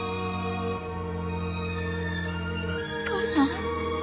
お母さん？